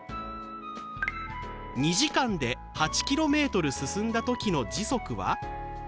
２時間で８ｋｍ進んだ時の時速は？